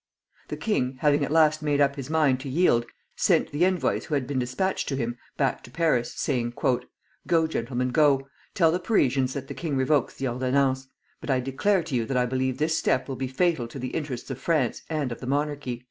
The king, having at last made up his mind to yield, sent the envoys who had been despatched to him, back to Paris, saying: "Go, gentlemen, go; tell the Parisians that the king revokes the ordonnances. But I declare to you that I believe this step will be fatal to the interests of France and of the monarchy."